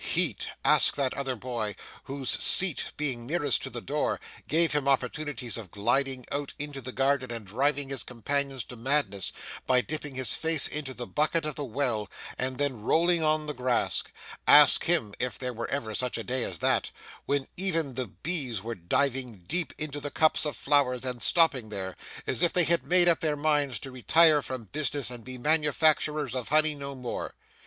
Heat! ask that other boy, whose seat being nearest to the door gave him opportunities of gliding out into the garden and driving his companions to madness by dipping his face into the bucket of the well and then rolling on the grass ask him if there were ever such a day as that, when even the bees were diving deep down into the cups of flowers and stopping there, as if they had made up their minds to retire from business and be manufacturers of honey no more.